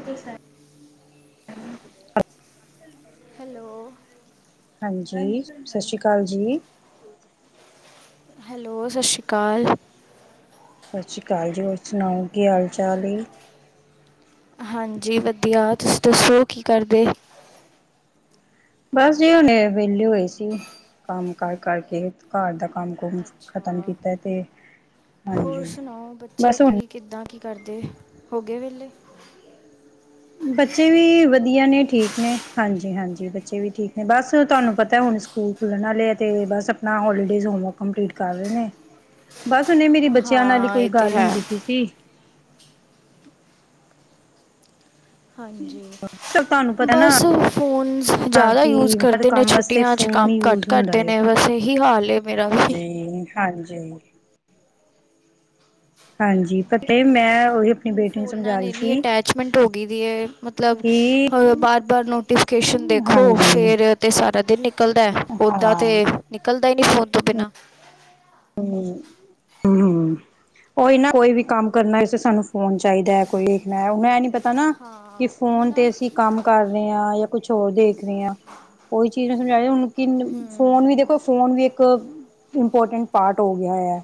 [inaudible] Hello. ਹਾਂਜੀ, ਸਸ੍ਰੀ ਕਾਲ ਜੀ। ਹੈਲੋ, ਸਸ਼ੀਕਾਲ। ਸਸ਼ੀਕਾਲ ਜੀ, ਹੋਰ ਸੁਨਾਓ, ਕੀ ਹਾਲ-ਚਾਲ ਏ? ਹਾਂਜੀ, ਵਦੀਆ, ਤੂਸੀ ਦੱਸੋ ਕੀ ਕਾਰਦੇ? ਬਾੱਸ ਜੀ ਹੁਣੇ ਵੇਲੀ ਹੋਈ ਸੀ। ਕਾੰਮ ਕਾਰ ਕਾਰਕੇ, ਘਾਰ ਦਾ ਕਾੰਮ-ਕੁੰਮ ਖਤਮ ਅੱਛਾ ਕੀਤੈ ਤੇ ਹੋਰ ਹਾਂਜੀ, ਸੁਨਾਓ, ਬੱਚੇ ਬਸ ਹੁਣ ਕੀ, ਕਿੱਦਾਂ, ਕੀ ਕਰਦੇ, ਹੋ ਗਏ ਵੈਲੇ? ਬੱਚੇ ਵੀ ਵਦੀਆ ਨੇ, ਠੀਕ ਨੇ, ਹਾਂਜੀ-ਹਾਂਜੀ ਬੱਚੇ ਵੀ ਠੀਕ ਨੇ, ਬਾੱਸ ਤੂਆਨੂੰ ਪਤੈ ਹੁਨ ਸੂ ਸੂਕੂਲ ਖੁੱਲਨ ਆਲੇ ਐ ਤੇ, ਬਾੱਸ ਆਪਨਾ ਹੋਲੀਡੇਜ਼ ਹੋਮਵਰਕ ਕੰਪਲੀਟ ਕਾਰ ਰੇ ਨੇ। [inaudible] ਬਾੱਸ ਹੁਨੇ ਮੇਰੀ ਬੱਚੇਆਂ ਨਾਲ ਈ ਹਾਂ ਕੋਈ ਇਹ ਤੇ ਗਾੱਲ ਹੈ ਹੁੰਦੀ ਪਈ ਸੀ। ਹਾਂਜੀ। ਤੇ ਤਾਨੂੰ ਪਤ ਬਾੱਸ ਫੋਨਸ ਜਾਦਾ ਯੂਜ਼ ਹਰ ਕਰਦੇ ਨੇ ਕੰਮ ਵਾਸਤੇ ਛੁੱਟੀਆਂ ਚ, ਫੋਨ ਕਾੰਮ ਘਾੰਟ ਯੂਜ ਹੁੰਦਾ ਕਰਦੇ ਏ ਨੇ, ਬਾੱਸ ਏਹੀ ਹਾਲ ਏ। ਜੀ, ਹਾਂਜੀ। ਹਾਂਜੀ, ਪਤਹ ਮੈਂ ਉਹੀ ਆਪਣੀ ਬੇਟੀ ਨੂੰ ਸਮਝਾ ਰਹੀ ਏਨੀ ਸੀ ਅਟੈਚਮੈਂਟ ਹੋ ਗਈ ਦੀ ਐ, ਮਤਲਬ ਕਿ ਬਾਰ-ਬਾਰ ਨੋਟੀਫਿਕੇਸ਼ਨ ਦੇਖੋ, ਹਾਂਜੀ ਫਿਰ ਤੇ ਸਾਰਾ ਦਿਨ ਨਿਕਲਦਾ ਹਾਂ ਉਹਦਾ ਹਮ ਤੇ ਨਿਕਲਦਾ ਈ ਨੀ ਫੋਨ ਤੋਂ ਬਿਨਾਂ। ਹਮ। ਹਮ-ਹਮ, ਓਈ ਨਾ ਕੋਈ ਵੀ ਕੰਮ ਕਰਨਾ ਸਾਨੂੰ ਫੋਨ ਚਾਹੀਦਾ ਐ, ਕੋਈ ਮੈਂ ਨੀ ਪ ਹਨਾ, ਕਿ ਹਾਂ ਉਹੀ ਫੋਨ ਨਾ ਤੇ ਅਸੀਂ ਕੰਮ ਕਰ ਰਹੇ ਆ ਯਾ ਕੁਛ ਹੋਰ ਦੇਖ ਰਹੇ ਆ। ਉਹੀ ਚੀਜ਼ ਨੂੰ ਸਮਝਾ ਰਹੀ, ਹੁਣ ਕੀ ਨ ਹੂੰ ਫੋਨ ਵੀ ਦੇਖੋ, ਫੋਨ ਵੀ ਇੱਕ ਇੰਪੋਰਟੈਂਟ ਪਾਟ ਹੋ ਗਿਆ ਐ।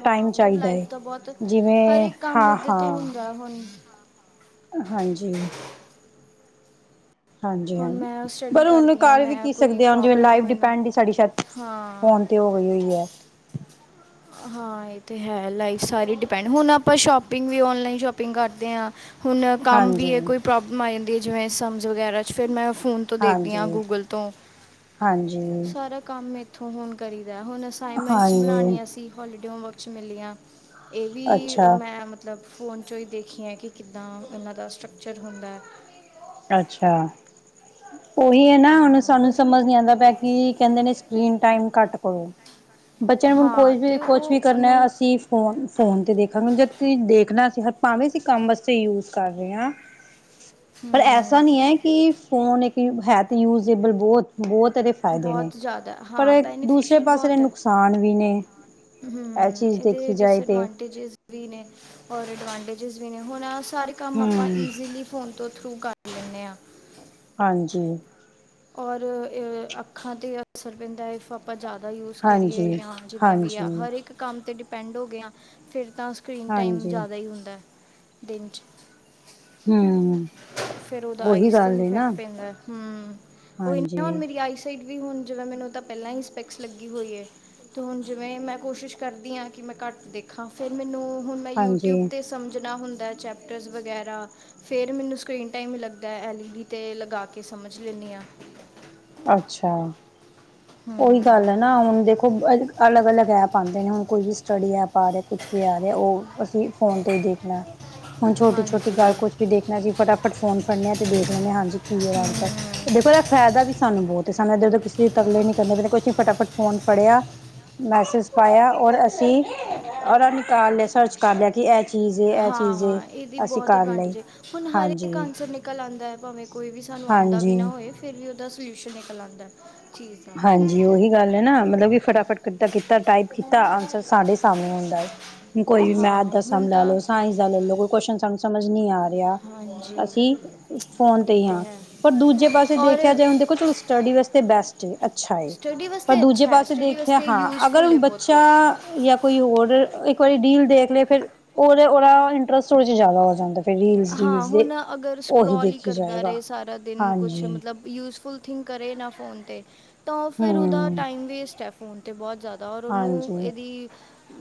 ਹਾਂ, ਮਤਲਬ ਚਾਹੀਦਾ ਹੈ ਲਾਈਫ ਦਾ ਬਹੁਤ, ਜਿਵੇਂ ਹਰ ਇੱਕ ਕੰਮ ਹਾਂ ਏਦੇ ਤੋਂ ਹਾਂ ਹੁੰਦਾ ਹੁਣ। ਹਾਂਜੀ। ਹਾਂਜੀ ਹਾਂ, ਹੁਣ ਮੈਂ ਸਟੱਡੀ ਪਰ ਹੁਣ ਕਰਦੀ ਆ ਕਰ ਵੀ ਮੈਂ ਕੀ ਕੋਈ ਸਕਦੇ ਆ ਜਿਵੇਂ ਪ੍ਰੋਬਲਮ ਹੈ ਲਾਈਫ ਮੈਨੂੰ ਡਿਪੈਂਡ ਸਾਡੀ ਸ਼ਾਇਦ ਹਾਂ ਫੋਨ, ਤੇ ਹੋਈ ਉਈ ਐ। ਹਾਂ ਇਹ ਤੇ ਹੈ, ਲਾਈਫ ਸਾਰੇ ਡਿਪੈਂਡ, ਹੁਣ ਆਪਾਂ ਸ਼ੋਪਿੰਗ ਵੀ ਓਨਲਾਈਨ ਸ਼ੋਪਿੰਗ ਕਰਦੇ ਆ। ਹੁਣ ਕੰਮ ਹਾਂਜੀ ਵੀ ਐ, ਕੋਈ ਪ੍ਰੋਬਲਮ ਆ ਜਾਂਦੀ ਐ ਜਿਵੇਂ ਸਮਜ਼ ਵਗੈਰਾ 'ਚ ਫਿਰ ਮੈਂ ਫੋਨ ਤੋਂ ਦੇਖਦੀ ਹਾਂ, ਹਾਂਜੀ ਗੂਗਲ ਤੋਂ। ਹਾਂਜੀ ਸਾਰਾ ਕੰਮ ਇੱਥੋਂ ਹੁਣ ਕਰੀਦਾ, ਹੁਣ ਅਸਾਈਨਮੈਂਟਸ ਹਾਂਜੀ ਬਣਾਉਣੀਆਂ ਸੀ, ਹੋਲੀਡੇ ਹੋਮਵਰਕ 'ਚ ਮਿਲੀਆਂ। ਇਹ ਵੀ ਅੱਛਾ ਮੈਂ ਮਤ ਮਤਲਬ ਫੋਨ ਚੋਂ ਹੀ ਦੇਖੀਏ, ਕਿ ਕਿੱਦਾਂ ਇਹਨਾਂ ਦਾ ਸਟਰਕਚਰ ਹੁੰਦਾ? ਅੱਛਾ। ਉਹੀ ਹੈ ਨਾ, ਹੁਣ ਹਾਂ ਸਾਨੂੰ ਬਸ ਸਮਝ ਨੀ ਮਤਲਬ ਆਂਦਾ ਪਿਆ, ਕੀ ਕਹਿੰਦੇ ਨੇ, ਸਕਰੀਨ ਟਾਈਮ ਘੱਟ ਕਰੋ। ਬੱਚਿਆਂ ਨੂੰ ਹੁਣ ਹਾਂ ਕੋਈ ਤੇ ਵੀ ਕੁਛ ਵੀ ਉਹ ਕਰਨਾ ਨਹੀਂ ਅਸੀਂ ਫੋਨ ਫੋ ਤੇ ਦੇਖਾਂਗੇ, ਜਦਕ ਦੇਖਣਾ ਅਸੀਂ ਹਰ ਭਾਵੇਂ ਅਸੀਂ ਕੰਮ ਵਾਸਤੇ ਯੂਜ ਕਰ ਰਹੇ ਹਾਂ। ਪਰ ਐਸਾ ਹਮ, ਨਹੀਂ ਹੈ ਕਿ ਫੋਨ ਇੱਕ ਹੈ ਤਾਂ ਯੂਜੇਬਲ ਬਹੁਤ- ਬਹੁਤ ਏਦੇ ਫਾ ਫਾਇਦੇ ਨੇ, ਬਹੁਤ ਜ਼ਿਆਦਾ ਪਰ ਹਾਂ ਦੂਸਰੇ ਬੈਨੀਫੀਸ਼ੀਅਲ ਪਾਸੇ ਨੇ ਬਹੁਤ ਹੈ ਨੁਕਸਾਨ ਵੀ ਨੇ। ਇਹ ਹਮ ਚੀਜ਼ ਇਹਦੇ ਦੇਖੀ ਜਾਏ ਤੇ ਡਿਸਡਵਾਂਟੇਜਿਸ ਵੀ ਨੇ, ਔਰ ਐਡਵਾਂਟੇਜਿਸ ਵੀ ਨੇ, ਹੁਣ ਸਾਰੇ ਕੰਮ ਆਪਾਂ ਹੂੰ ਈਜ਼ੀਲੀ ਫੋਨ ਤੋਂ ਥਰੂ ਕਰ ਲੈਂਦੇ ਆ ਹਾਂਜੀ। ਔਰ ਅੱਖਾਂ ਤੇ ਅਸਰ ਪੈਂਦਾ ਇਹ ਫ ਆਪਾਂ ਜ਼ਿਆਦਾ ਯੂਜ਼ ਕਰੀਏ ਹਾਂਜੀ ਜਾਂ ਜਿਵੇਂ ਵੀ ਆ ਹਾਂਜੀ ਹਰ ਇੱਕ ਕੰਮ ਤੇ ਡਿਪੈਂਡ ਹੋ ਗਏ ਆ ਫਿਰ ਤਾਂ ਸਕਰੀਨ ਟਾਈਮ ਹਾਂਜੀ ਜ਼ਿਆਦਾ ਹੀ ਹੁੰਦਾ ਦਿਨ 'ਚ ਹੂੰ। ਫੇਰ ਉਹਦਾ ਉਹੀ ਆਈਸ ਤੇ ਵੀ ਗੱਲ ਹੈ ਨਾ ਇਫੈਕਟ ਪੈਂਦਾ। ਹਮ, ਉਹ ਹਾਂਜੀ ਮੇਰੀ ਆਈਸ ਵੀ ਹੁਣ ਜਿਵੇਂ ਮੈਨੂੰ ਤਾਂ ਪਹਿਲਾਂ ਹੀੰ ਸਪੈਕਸ ਲੱਗੀ ਹੋਈ ਏ। ਤੇ ਹੁਣ ਜਿਵੇਂ ਮੈਂ ਕੋਸ਼ਿਸ਼ ਕਰਦੀ ਆ ਕਿ ਮੈਂ ਘੱਟ ਦੇਖਾਂ, ਫੇਰ ਮੈਨੂੰ ਹੁਣ ਮੈਂ ਹਾਂਜੀ ਯੂਟਿਊਬ ਤੇ ਸਮਝਣਾ ਹੁੰਦਾ ਚੈਪਟਰਸ ਵਗੈਰਾ, ਫਿਰ ਮੈਨੂੰ ਸਕਰੀਨ ਟਾਈਮ ਹੀ ਲੱਗਦਾ, ਐਲ ਈ ਡੀ ਤੇ ਲਗਾ ਕੇ ਸਮਝ ਲੈਂਨੀ ਆ। ਅੱਛਾ! ਉਹੀ ਹੂੰ ਗੱਲ ਏ ਨਾ, ਹੁਣ ਦੇਖੋ ਅਲੱਗ- ਅਲੱਗ ਐਪ ਆਂਦੇ ਨੇ, ਹੁਣ ਕੋਈ ਵੀ ਸਟੱਡੀ ਐਪ ਆ ਰਿਹਾ। ਕੁਛ ਵੀ ਆ ਰਿਹਾ, ਉਹ ਅਸੀਂ ਫੋਨ ਤੇ ਹੀ ਦੇਖਣਾ। [unintelligible] ਹੁਣ ਛੋਟੀ, ਛੋਟੀ ਹਾਂਜੀ ਗੱਲ ਕੁਛ ਹਮ, ਵੀ ਦੇਖਣਾ ਜੀ, ਫਟਾਫਟ ਫੋਨ ਫੜਨੇ ਆ ਤੇ ਦੇਖ ਲੈਣੇ ਹਾਂਜੀ ਕੀ ਆਇਆ ਅੱਜ। ਦੇਖੋ ਇਹਦਾ ਫਾਇਦਾ ਵੀ ਸਾਨੂੰ ਬਹੁਤ, ਸਾਨੂੰ ਏਰ ਕਿਸ ਤਰਲੇ ਨੀ ਕਰਨੇ ਪੈਂਦੇ, ਕੁਛ ਨੀ ਫਟਾਫਟ ਫੋਨ ਫੜਿਆ ਮੈਸੇਜ ਪਾਇਆ, ਔਰ ਅਸੀਂ ਔਰ ਨਿਕਾਲ ਲਿਆ ਸਰਚ ਕਰ ਲਿਆ ਕਿ ਇਹ ਚੀਜ਼ ਇਹ ਹਾਂ, ਚੀਜ਼ ਹਾਂ ਇਹਦੀ ਅਸੀਂ ਬਹੁਤ ਕਰ ਲਈ ਐਡਵਾਂਟੇਜ ਹੈ, ਹੁਣ ਹਰੇਕ ਹਾਂਜੀ ਆਂਸਰ ਨਿਕਲ ਆਂਦਾ ਹੈ ਭਾਵੇਂ ਕੋਈ ਵੀ ਸਾਨੂੰ ਆੰਦਾ ਵੀ ਹਾਂਜੀ ਨਾ ਹੋਏ, ਫੇਰ ਵੀ ਓਦਾ ਸਲਿਊਸ਼ਨ ਨਿਕਲ ਆਂਦਾ‌। ਹਾਂਜ- ਜੀ ਓਹੀ ਗੱਲ ਐ ਨਾ ਮਤਲਬ ਫਟਾਫਟ ਕੱਡਾ ਕੀਤਾ, ਟਾਈਪ ਕੀਤਾ ਆਂਸਰ ਸਾਡੇ ਸਾਮਣੇ ਹੁੰਦਾ ਏ। ਕੋ ਵੀ ਮੈਥ ਹਾਂ ਦਾ ਸਮ ਹੁਣ ਲੈ ਤਾਂ ਲੋ, ਸਾਇੰਸ ਦਾ ਲੈਲ ਲਵੋ ਕੁਸ਼ਚਨ ਸਾਨੂੰ ਸਮਝ ਨੀ ਆ ਰਿ ਰਿਆ, ਹਾਂਜੀ ਅਸੀਂ ਫੋਨ ਤੇ ਇਹ ਈ ਹਾਂ। ਹੈ ਪਰ ਦੂਜੇ ਪਾਸੇ ਔਰ ਦੇਖਿਆ ਜਾਏ, ਹੁਣ ਦੇਖੋ ਚਲੋ ਸਟੱਡੀ ਵਸਤੇ ਬੈਸਟ। ਤੇ ਅੱਛਾ ਏ। ਸਟੱਡੀ ਪਰ ਵਾਸਤੇ ਦੂਜੇ ਅੱਛਾ ਹੈ ਪਾਸੇ ਸਟੱਡੀ ਦੇਖਿਆ, ਵਾਸਤੇ ਹਾਂ ਅਗਰ ਯੂਜ਼ਫੁਲ ਹੁਣ ਹੈ ਬਹੁਤ ਬੱਚਾ ਜਾਂ ਕੋਈ ਔਰ ਇੱਕ ਵਾਰੀ ਡੀਲ ਦੇਖ ਲਏ, ਫੇਰ ਓ ਓਦਾ ਇੰਟਰਸਟ ਓਦੇ 'ਚ ਜਾਦਾ ਓ ਜਾਂਦਾ। ਫਿਰ ਰੀਲਸ ਹਾਂ ਰੀਲਸ ਦੇ ਹੁਣ ਅਗਰ ਉਹੀ ਸਕਰੋਲ ਈ ਦੇਖੀ ਕਰਦਾ ਜਾਏਗਾ ਰੇ, ਸਾਰਾ ਦਿਨ ਕੁਛ ਹਾਂਜੀ ਮਤਲਬ- ਯੂਜਫੁਲ ਥਿੰਕ ਕਰੇ ਨਾ ਫ਼ੋਨ ਤੇ, ਤਾਂ ਓ ਫੇਰ ਓਦਾ ਹੂੰ ਟਾਈਮ ਵੇਸਟ ਐ। ਫੋਨ ਤੇ ਬੋਤ ਜਾਦਾ ਔਰ ਓਨੂੰ ਹਾਂਜੀ। ਏਦੀ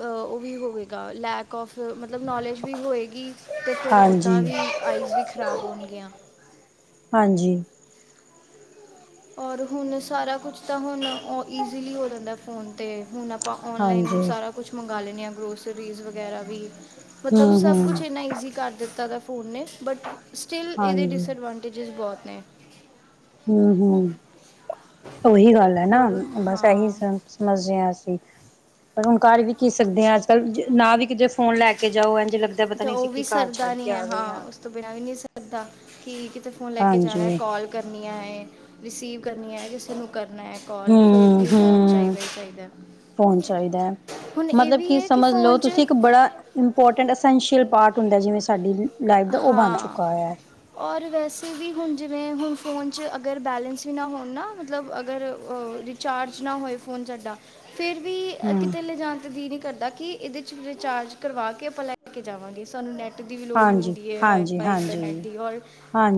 ਆ ਓ ਵੀ ਹੋਵੇਗਾ ਲੈਕ ਔਫ ਮਤਲਬ ਨੌਲੇਜ ਵੀ ਹੋਏਗੀ ਅਤੇ ਫੇਰ ਓ- ਤਾਂ ਹਾਂਜੀ, ਵੀ ਆਈਸ ਵੀ ਖਰਾਬ ਹੋਣਗੀਆਂ। ਹਾਂਜੀ ਔਰ ਹੁਣ ਸਾਰਾ ਕੁਛ ਤਾਂ ਹੁਣ ਓ ਈਜ਼ੀਲੀ ਹੋ ਜਾਂਦਾ ਫੋਨ ਤੇ। ਹੁਣ ਆਪ ਆਪਾਂ ਔਨਲਾਈਨ ਹਾਂਜੀ, ਸਾਰਾ ਕੁਛ ਮੰਗਾ ਲੈਂਣੇ ਆਂ, ਗਰੋਸਰੀਜ਼ ਵਗੈਰਾ ਵੀ। ਮਤਬ ਸਭ ਕੁਛ ਹੂੰ-ਹੂੰ, ਏਨਾ ਈਜੀ ਕਰ ਦਿੱਤਾ ਦਾ ਫੋਨ ਨੇ, ਬਟ ਸਟਿਲ ਏਦੇ ਹਾਂਜੀ, ਡਿਸ‌ਅਡਵਾਨ- ਟੀਜਿਸ ਬੋਤ ਨੇ। ਹੁੰਹੂ। ਓਹੀ ਗੱਲ ਐ ਨਾ ਔਰ ਬਸ ਐਹੀ ਹਾਂ ਸਮ ਸਮਝਦੇ ਆਂ ਅਸੀਂ। ਪਰ ਹੁਣ ਕਰ ਵੀ ਕੀ ਸਕਦੇ ਆਂ। ਅੱਜ ਕੱਲ ਨਾ ਵੀ ਕਿਤੇ ਫੋਨ ਲੈ ਕੇ ਜਾਓ, ਏਂਝ ਲਗਦਾ- ਤੇ ਓ ਵੀ ਸਰਦਾ ਨੀ ਐ ਹਾਂ, ਉਸ ਤੋਂ ਬਿਨਾਂ ਵੀ ਨੀ ਸਰਦਾ। ਕੀ ਕਿਤੇ ਫੋਨ ਲੈ ਕੇ ਜਾਣਾ ਐ ਹਾਂਜੀ, ਕੋਲ ਕਰਨੀਆ ਐ, ਰਿਸੀਵ ਕਰਨੀਆ, ਕਿਸੇ ਨੂੰ ਕਰਨਾ ਐ। ਕੋਲ ਫੇਰ ਵੀ ਫੋਨ ਹੂੰ-ਹੂੰ, ਚਾਈਦਾ ਈ ਚਾਈਦਾ। ਫੋਨ ਚਾਹੀਦਾ ਹੈ। ਮਤਲਬ ਕੀ ਸਮਝ ਲੋ, ਤੁਸੀਂ ਇੱਕ ਬੜਾ ਇੰਪੋਰਟੈਂਟ ਅਸੈਂਸ਼ੀਅਲ ਪਾਰਟ ਹੁੰਦਾ ਜਿਵੇਂ ਸਾਡੀ- ਲਾਈਫ ਦਾ ਉਹ ਬਣ ਹਾਂ ਚੁੱਕਾ ਹੋਇਆ ਹੈ। ਔਰ ਵੈਸੇ ਵੀ ਹੁਣ ਜਿਵੇਂ ਹੁਣ ਫੋਨ 'ਚ ਅਗਰ ਬੈਲੇਂਸ ਵੀ ਨਾ ਹੋਣ ਨਾ, ਮਤਲਬ ਅਗਰ ਅ ਰੀ- ਚਾਰਜ ਨਾ ਹੋਏ ਫ਼ੋਨ ਸਾਡਾ, ਫੇਰ ਵੀ ਹੂੰ, ਕਿਤੇ ਲਜਾਣ ਤੇ ਜੀਅ ਨੀ ਕਰਦਾ ਕੀ ਏਦੇ 'ਚ ਰਿਚਾਰਜ ਕਰਵਾ ਕੇ ਆਪਾਂ ਲੈ ਕੇ ਜਾਵਾਂਗੇ, ਸਾਨੂੰ ਨੈੱਟ ਦੀ ਵੀ ਲੋੜ ਹਾਂਜੀ, ਹੁੰਦੀ। ਏਅਰ ਹਾਂਜੀ, ਵਾਈਫਾਈ ਇੰਟਰਨੈਟ ਹਾਂਜੀ। ਦੀ ਔਰ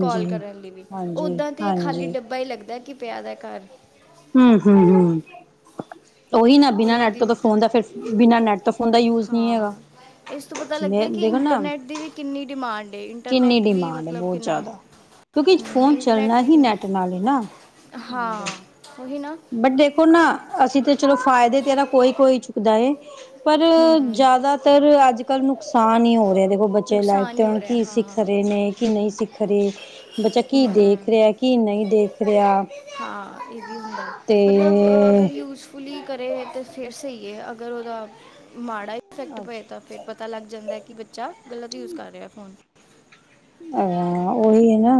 ਕਾਲ ਕਰਨ ਲਈ ਵੀ। ਹਾਂਜੀ, ਓਦਾਂ ਤੇ ਖਾਲੀ ਹਾਂਜੀ। ਡੱਬ ਡੱਬਾ ਈ ਲੱਗਦਾ ਕੀ ਪਿਆ ਦਾ ਘਰ। ਊਹੂੰ ਹੂੰ ਓਹੀ ਨਾ ਹੁਣ ਬਿਨਾਂ ਨੈਟ ਤੋਂ ਇਹਦੀ ਤਾਂ ਫੋਨ ਦਾ ਫੇਰ ਬਿਨਾਂ ਨੈਟ ਤੋਂ- ਫੋਨ ਦਾ ਯੂਜ ਨਹੀਂ ਹੈਗਾ। ਹਾਂ ਏਸ ਤੋਂ ਪਤਾ ਜਿਵੇਂ ਲੱਗਦਾ ਕੀ ਦੇਖੋ ਨਾ ਇੰਟਰਨੈੱਟ ਦੀ ਵੀ ਕਿੰਨੀ ਡਿਮਾਂਡ ਏ। ਕਿੰਨੀ ਇੰਟਰਨੈੱਟ ਵੀ ਡਿਮਾਂਡ ਹੈ ਮਤਲਬ ਬਹੁਤ ਕਿੰਨਾ ਜ਼ਿਆਦਾ। ਕਿਉਂਕਿ ਫੋਨ ਇੰਟਰਨੈਟ ਚੱਲਣਾ ਵੀ ਹੀ ਕਿੰਨਾ ਨੈੱਟ ਨਾਲੇ ਏ ਨਾ। ਓਹੀ ਨਾ। ਬਟ ਦੇਖੋ ਨਾ ਅਸੀਂ ਤਾਂ ਚਲੋ ਫਾਇਦੇ ਤੇ ਏਦਾ ਕੋਈ ਕੋਈ ਚੁੱਕਦਾ ਏ। ਪਰ ਹੂੰ ਜਾਦਾਤਰ ਅੱਜ ਕੱਲ੍ਹ ਨੁਕਸਾਨ ਈ ਹੋ ਰੇ ਦੇਖੋ ਬੱਚੇ ਲਾਈਫ ਨੁਕਸਾਨ ਤੇ ਹੀ ਹੁਣ ਹੋ ਰਿਹਾ ਕੀ ਹਾਂ ਸਿੱਖ ਰਹੇ ਨੇ ਕੀ ਨਈ ਸਿੱਖ ਰੇ। ਬੱਚਾ ਕੀ ਦੇਖ ਹੂੰ ਰਿਆ ਕੀ ਨਈ ਦੇਖ ਰਿਆ। ਹਾਂ ਏ ਵੀ ਹੁੰਦਾ ਮਤਲਬ ਅਗਰ ਤੇ ਯੂਜ ਪੁੁਲੀ ਕਰੇ ਤਾਂ ਫੇਰ ਸ‌ਈ ਏ ਅਗਰ ਓਦਾ ਮਾੜਾ ਈ ਇਫੈਕਟ ਪ‌ਏ ਅੱਛਾ ਤਾਂ ਫੇਰ ਪਤਾ ਲੱਗ ਜਾਂਦਾ ਕੀ ਬੱਚਾ ਗਲਤ ਯੂਜ ਕਰ ਰਿਆ ਫੋਨ। ਆਆ ਓਈ ਏਨਾ।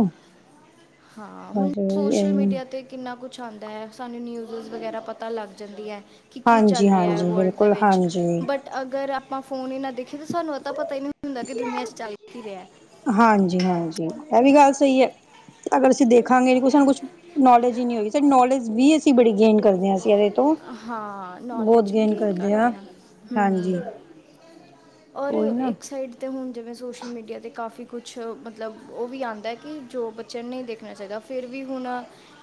ਹਾਂ ਹੁਣ ਸੋਸ਼ਲ ਇਹੀ ਮੀਡੀਆ ਤੇ ਕਿੰਨਾ ਕੁਛ ਆਂਦਾ ਐ ਸਾਨੂੰ ਨਿਊਜ਼ ਵਗੈਰਾ ਪਤਾ ਲੱਗ ਜਾਂਦੀਆਂ ਐ। ਹਾਂਜੀ-ਹਾਂਜੀ ਬਿਲਕੁਲ ਹਾਂਜੀ। ਬਟ ਅਗਰ ਆਪਾਂ ਫੋਨ ਈ ਨਾ ਦੇਖੀਏ ਤਾਂ ਸਾਨੂੰ ਐਤਾਂ ਪਤਾ ਈ ਨਈ ਹੁੰਦਾ ਕਿ ਦੁਨੀਆਂ 'ਚ ਚੱਲ ਕੀ ਰਿਆ। ਹਾਂਜੀ-ਹਾਂਜੀ ਇਹ ਵੀ ਗੱਲ ਸਈ ਏ। ਅਗਰ ਅਸੀਂ ਦੇਖਾਂਗੇ ਸਾਨੂੰ ਕੁਛ ਨੌਲੇਜ ਈ ਨਈ ਹੋਈ‌ ਸਾਡੀ ਨੌਲੇਜ ਵੀ ਅਸੀਂ ਬੜੀ ਗੇਨ ਕਰਦੇ ਹਾਂ ਅਸੀ ਇਦੇ 'ਚ ਹਾਂ ਨੌਲੇਜ ਵੀ ਗੇਨ ਹਾਂ ਕਰਦੇ ਆਂ ਹਾਂਜੀ ਹੂੰ। ਔਰ ਉਹੀ ਨਾ ਇੱਕ ਸਾਈਡ ਤੇ ਹੁਣ ਜਿਵੇਂ ਸੋਸ਼ਲ ਮੀਡੀਆ ਤੇ ਕਾਫੀ ਕੁਛ ਮਤਲਬ ਓ ਵੀ ਆਂਦਾ ਕਿ ਜੋ ਬਚ ਚਿਆ ਨਈ ਦੇਖਣਾ ਚਾਈਦਾ ਫਿਰ ਵੀ ਹੁਣ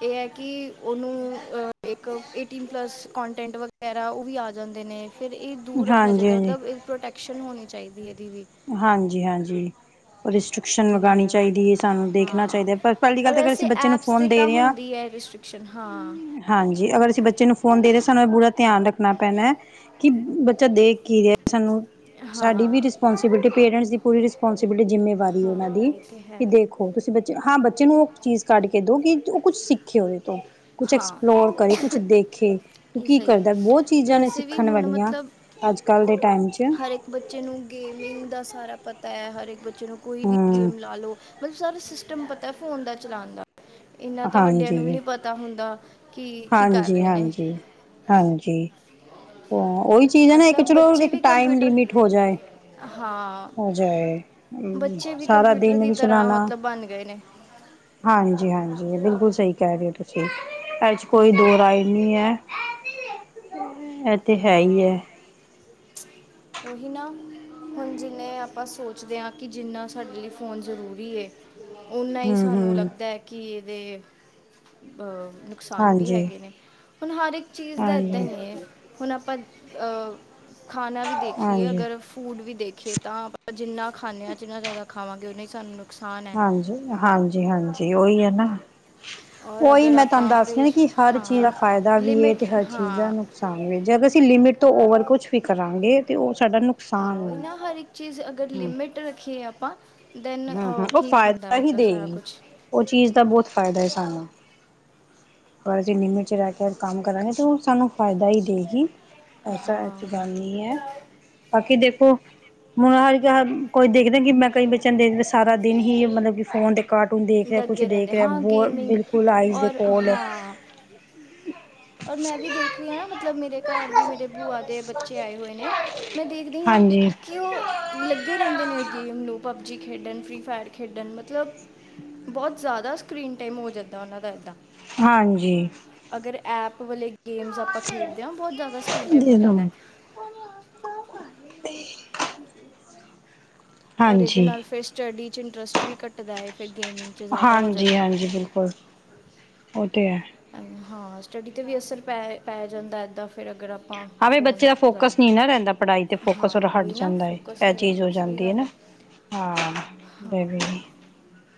ਇਹ ਐ ਕਿ ਉਨੂੰ ਇੱਕ ਏਟੀਨ ਪਲੱਸ ਕਾਂਟੈਂਟ ਵਗੈਰਾ ਓ ਵੀ ਆ ਜਾਂਦੇ ਨੇ ਫਿਰ ਇਹ ਦੂਰ ਰੱਖਣਾ ਹਾਂਜੀ ਚਾਈਦਾ ਹਾਂਜੀ ਮਤਲਬ ਇਹ ਪ੍ਰੋਟੈਕਟ ਐਕਸ਼ਨ ਹੋਣੀ ਚਾਈਦੀ ਇਹਦੀ ਵੀ ਹਾਂਜੀ-ਹਾਂਜੀ ਰਿਸਟ੍ਰਿਕਸ਼ਨ ਤੇ ਲਗਾਣੀ ਹੈ ਹੋਰ ਚਾਈਦੀ ਏ ਸਾਨੂੰ ਦੇਖਣਾ ਹਾਂ ਚਾਈਦਾ ਐ ਪਰ ਪੈਲੀ ਗੱਲ ਔਰ ਤਾਂ ਅਗਰ ਵੈਸੇ ਅਸੀਂ ਬੱਚੇ ਨੂੰ ਐਪਸ ਤੇ ਫੋਨ ਦੇ ਤਾਂ ਰਏ ਆਂ। ਹੁੰਦੀ ਹੈ ਰਿਸਟ੍ਰਿਕਸ਼ਨ ਹਾਂ ਹਾਂਜੀ ਅਗਰ ਅਸੀਂ ਬੱਚੇ ਨੂੰ ਫੋਨ ਦੇ ਰਏ ਸਾਨੂੰ ਪੂਰਾ ਧਿਆਨ ਰੱਖਣਾ ਪੈਣਾ। ਕਿ ਬੱਚਾ ਦੇਖ ਕੀ ਰਿਆ ਸਾਨੂੰ ਹਾਂ ਸਾਡੀ ਵੀ ਰਿਸਪੋਂਸੀਬਿਲਿਟੀ ਪੇਰੈਂਟਸ ਦੀ ਪੂਰੀ ਰਿਸਪੋਂਸੀਬਿਲਿਟੀ ਜ਼ਿੰਮੇ ਵਾਰੀ ਉਹਨਾਂ ਹਾਂ ਦੀ ਇਹ ਤੇ ਹੈ ਵੀ ਦੇਖੋ ਤੁਸੀਂ ਬੱਚੇ ਹਾਂ ਬੱਚੇ ਨੂੰ ਓ ਚੀਜ਼ ਕੱਢ ਕੇ ਦੋ ਕਿ ਓ ਕੁਛ ਸਿੱਖੇ ਉਹਦੇ ਤੋਂ ਕੁਛ ਹਾਂ ਐਕਸਪਲੋਰ ਕਰੇ ਕੁਛ ਦੇਖੇ ਕਿਉ ਇਹ ਕੀ ਸਹੀ ਹੈ ਕਰਦਾ ਬੋਤ ਚੀਜ਼ਾਂ ਨੇ ਵੈਸੇ ਵੀ ਸਿੱਖਣ ਹੁਣ ਵਾਲੀਆਂ ਮਤਲਬ ਅੱਜ ਕੱਲ ਦੇ ਟਾਈਮ 'ਚ ਹਰ ਇੱਕ ਬੱਚੇ ਨੂੰ ਗੇਮਿੰਗ ਦਾ ਸਾਰਾ ਪਤਾ ਹੈ ਹਰ ਇੱਕ ਬੱਚੇ ਨੂੰ ਕੋਈ ਵੀ ਹਮ ਗੇਮ ਲਾ ਲੋ। ਮਤਲਬ ਸਾਰਾ ਸਿਸਟਮ ਪਤਾ ਫੋਨ ਦਾ ਚਲਾਣ ਦਾ ਇੰਨਾ ਤਾਂ ਵੱਡਿਆਂ ਨੂੰ ਵੀ ਹਾਂਜੀ ਨਈ ਪਤਾ ਹੁੰਦਾ। ਕਿ ਕੀ ਕਰ ਹਾਂਜੀ- ਰਹੇ ਨੇ ਹਾਂਜੀ- ਹਾਂਜੀ ਓ ਉਹੀ ਚੀਜ਼ ਹੈ ਨਾ ਇੱਕ ਮਤਲਬ ਚਲੋ ਬੱਚੇ ਇੱਕ ਵੀ ਟਾਈਮ ਕੰਪਿਊਟਰ ਲਿਮਿਟ ਹੋ ਜਾਏ। ਹਾਂ ਹੋ ਜਾਏ ਬੱਚੇ ਵੀ ਸਾਰਾ ਕੰਪਿਊਟਰ ਦਿਨ ਦੀ ਵੀ ਤਰ੍ਹਾਂ ਚਲਾਣਾ। ਮਤਲਬ ਬਣ ਗਏ ਨੇ ਹਾਂਜੀ-ਹਾਂਜੀ ਬਿਲਕੁਲ ਸਈ ਕੈ ਰੇ ਓ ਤੁਸੀਂ ਐ 'ਚ ਕੋਈ ਦੋ ਹਮ, ਰਾਏ ਨੀ ਐ। ਐ ਹਾਂ ਓਹੀ ਨਾ ਹੁਣ ਜਿੰਨੇ ਆਪਾਂ ਸੋਚਦੇ ਆ ਕਿ ਜਿੰਨਾ ਸਾਡੇ ਲਈ ਫੋਨ ਜ਼ਰੂਰੀ ਏ। ਉਨਾ ਈ ਹਮ ਸਾਨੂੰ ਹਮ ਲੱਗਦਾ ਕੀ ਇਦੇ ਬ ਨੁਕਸਾਨ ਵੀ ਹਾਂਜੀ ਹੈਗੇ ਨੇ ਹੁਣ ਹਰ ਇੱਕ ਚੀਜ਼ ਦਾ ਏਦਾਂ ਹਾਂਜੀ ਈ ਐ। ਹੁਣ ਆਪਾਂ ਅ ਖਾਣਾ ਵੀ ਦੇਖ ਲਈਏ ਹਾਂਜੀ ਅਗਰ ਫੂਡ ਵੀ ਦੇਖੀਏ ਤਾਂ ਜਿੰਨਾ ਖਾਂਨੇ ਆ ਜਿੰਨਾ ਜਾਦਾ ਖਾਵਾਂਗੇ ਉਨਾ ਈ ਸਾਨੂੰ ਨੁਕਸਾਨ ਹੈ ਜੀ ਹਾਂਜੀ-ਹਾਂਜੀ ਓਹੀ ਏ ਨਾ। ਔਰ ਓਹੀ ਅਗਰ ਮੈਂ ਤੁਹਾਨੂੰ ਆਪਾਂ ਦੱਸ ਰਈ ਪਰਹੇਜ਼ ਕੀ ਹਰ ਚੀਜ਼ ਹਾਂ ਦਾ ਫਾਇਦਾ ਵੀ ਏ ਲਿਮਿਟ ਤੇ ਹਰ ਚੀਜ਼ ਦਾ ਹਾਂ ਨੁਕ ਸਾਨ ਜੇ ਅਗਰ ਅਸੀਂ ਲਿਮਿਟ ਤੋਂ ਓਵਰ ਕੁੱਛ ਵੀ ਕਰਾਂਗੇ ਤੇ ਓ ਸਾਡਾ ਨੁ ਹਾਂ ਉਈ ਨਾ ਹਰ ਇੱਕ ਚੀਜ਼ ਅਗਰ ਲਿਮਿਟ ਰੱਖੀਏ ਆਪਾਂ ਦੈਨ ਹਮ ਅ ਠੀਕ ਹੁੰਦਾ ਮਤਲਬ ਸਾਰਾ ਕੁੱਛ ਓ ਚੀਜ਼ ਦਾ ਬੋਤ ਫਾਇਦਾ ਏ ਸਾਨੂੰ। ਪਰ ਅਸੀਂ ਲਿਮਿਟ 'ਚ ਰੈ ਕੇ ਕੰਮ ਕਰਾਂਗੇ ਤਾਂ ਓ ਸਾਨੂੰ ਫਾਇਦਾ ਈ ਦੇਗੀ। ਐਸਾ [unintelligible] ਹਾਂ ਜਾਂਨੀ ਐ। ਬਾਕੀ ਦੇਖੋ ਮੁਣ ਹ ਕੋਈ ਦੇਖਦੇ ਕੀ ਮੈਂ ਕਈ ਬੱ ਚੇ ਨੂੰ ਦੇਖਦੇ ਸਾਰਾ ਦਿਨ ਹੀ ਮਤਲਬ ਕਿ ਫੋਨ ਦੇ ਕਾਰਟੂਨ ਦੇਖ ਰਿਆ ਕੁੱਛ ਲੱਗੇ ਦੇਖ ਰਹਿੰਦੇ ਰਿਆ ਹਾਂ ਬੋਤ ਗੇਮਿੰਗ ਬਿਲਕੁਲ ਆਈਜ ਦੇ ਔਰ ਕੋਲ ਹਾਂ [inaudible] ਔਰ ਮੈਂ ਵੀ ਦੇਖ ਰੀਆ ਆ ਨਾ ਮਤਲਬ ਮੇਰੇ ਘਰ ਵੀ ਮੇਰੇ ਭੂਆ ਦੇ ਬੱਚੇ ਆਏ ਹੋਏ ਨੇ ਮੈਂ ਦੇਖਦੀ ਆ ਹਾਂਜੀ ਕੀ ਓ ਲੱਗੇ ਰੈਂਦੇ ਨੇ ਗੇਮ ਨੂੰ ਪਬਜੀ ਖੇਡਣ, ਫ੍ਰੀ ਫਾਇਰ ਖੇਡਣ ਮਤਲਬ ਬੋਤ ਜਾਦਾ ਸਕਰੀਨ ਟਾਈਮ ਹੋ ਜਾਂਦਾ ਓਨਾਂ ਦਾ ਏਦਾਂ। ਹਾਂਜੀ। ਅਗਰ ਐਪ ਵਾਲੇ ਗੇਮਸ ਆਪਾਂ ਖੇਡਦੇ ਆ, ਬੋਤ ਜਾਦਾ ਸਕਰੀਨ ਟੈਮ ਹੋ ਜਾਂਦਾ। [unintelligible] ਔਰ ਇਦੇ ਹਾਂਜੀ ਨਾਲ ਫਿਰ ਸਟੱਡੀ ਚ ਇੰਟਰਸਟ ਵੀ ਘੱਟਦਾ ਏ ਫਿਰ ਗੇਮਿੰਗ 'ਚ ਜ਼ਿਆਦਾ ਹੋ ਜਾਂਦਾ ਹੈ ਹਾਂਜੀ-ਹਾਂਜੀ, ਬਿਲਕੁੱਲ ਓ ਤੇ ਹੈ। ਐਂਡ ਹਾਂ ਸਟੱਡੀ ਤੇ ਵੀ ਅਸਰ ਪੈ-ਪੈ ਜਾਂਦਾ ਇੱਦਾਂ ਫਿਰ ਅਗਰ ਆ ਹਵੇ ਬੱਚੇ ਦਾ ਫੋਕਸ ਨੀ ਨਾ ਰੈਂਦਾ ਪੜ੍ਹਾਈ ਤੇ, ਹਾਂ ਫੋਕਸ ਓਦਾ ਹਟ ਉਹੀ ਨਾ ਜਾਂਦਾ ਏ, ਫੋਕਸ ਐ ਨਹੀਂ ਚੀਜ਼ ਰਹਿੰਦਾ ਹੋ ਸਹੀ ਜਾਂਦੀ ਐ ਗੱਲ ਨਾ। ਹੈ ਹਾ, ਏ, ਵੀ। ਹਾਂ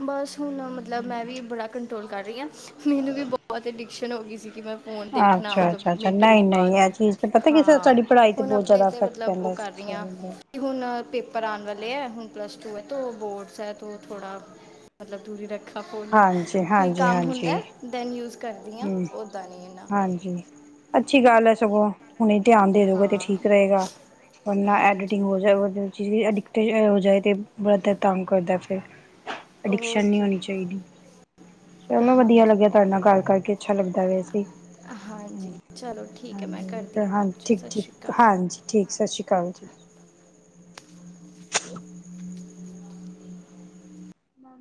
ਬਸ ਹੁਣ ਮਤਲਬ ਮੈਂ ਵੀ ਬੜਾ ਕੰਟਰੋਲ ਕਰ ਰੀ ਆ, ਮੈਨੂੰ ਵੀ ਬੋਤ ਅਡਿਕਸ਼ਨ ਹੋਗੀ ਸੀ ਕੀ ਮੈਂ ਫ਼ੋਨ ਦੇਖਣਾ ਮਤਲਬ ਅੱਛਾ-ਅੱਛਾ-ਅੱਛਾ ਮਿੰਟ ਮਿੰਟ ਨਈ-ਨਈ ਬਾਅਦ ਐ ਚੀਜ਼ ਤੇ ਪਤਾ ਕਿ, ਹਾਂ ਸਾਡੀ ਪੜ੍ਹਾਈ ਤੇ ਹੁਣ ਬੋਤ ਆਪਣੇ ਜ਼ਿਆਦਾ 'ਤੇ ਅਸਰ ਮਤਲਬ ਉਹ ਪੈਂਦਾ। ਕਰ ਰਹੀ ਹਾਂ [unintelligible] ਹੁਣ ਪੇਪਰ ਆਉਣ ਵਾਲੇ ਐ, ਹੁਣ ਪਲੱਸ ਟੂ ਐ, ਤੋ ਬੋਰਡਸ ਹੈ ਤੋ ਥੋੜ੍ਹਾ ਮਤਲਬ ਦੂਰੀ ਈ ਰੱਖਾ ਫੋਨ ਨੂੰ, ਹਾਂਜੀ ਕੋਈ ਹਾਂਜੀ ਕੰਮ ਹੁੰਦਾ ਹਾਂਜੀ ਦੈਨ ਯੂਜ਼ ਕਰਦੀਆਂ ਓਦਾ ਨੀ ਇਨਾਂ। ਜੀ। ਅੱਛੀ ਗੱਲ ਐ ਸਗੋਂ। ਹੁਣੇ ਧਿਆਨ ਦੇ ਦੋਗੇ ਤੇ ਹਾਂ ਠੀਕ ਰਏਗਾ, ਵਰਨਾ ਐਡੀਟਿੰਗ ਹਾਂਜੀ ਹੋ ਜਾਏਗਾ। ਚੀਜ ਅਡਿਕਟ ਹੋ ਜਾਏ, ਤੇ ਬੜਾ ਤੰਗ ਕਰਦਾ ਫਿਰ। ਅਡਿਕਸ਼ਨ ਨੀ ਓਕੇ ਹੋਣੀ ਚਾਈਦੀ, ਚਲੋ ਵਧੀਆ ਲੱਗਿਆ ਤੁਹਾਡੇ ਨਾਲ ਹਾਂਜੀ ਗੱਲ ਕਰ ਅੱਛਾ ਲੱਗਦਾ ਵੈਸੇ ਈ, ਹੂੰ ਹਾਂਜੀ ਚਲੋ ਠੀਕ ਹੈ ਮੈਂ ਕਰਦੀ ਹਾਂ ਹਾਂਜੀ-ਹਾਂਜੀ-ਹਾਂਜੀ ਬਾਅਦ 'ਚ ਸਤਿ ਸ਼੍ਰੀ ਠੀਕ-ਠੀਕ ਅਕਾਲ ਹਾਂ ਜੀ ਠੀਕ, ਸਤ ਸ਼੍ਰੀ ਅਕਾਲ ਜੀ।